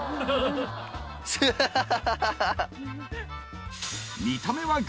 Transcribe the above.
ハハハハ！